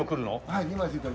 はい。